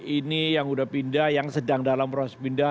ini yang sudah pindah yang sedang dalam proses pindah